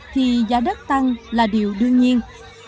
thì giá đất tăng là điều đương nhiên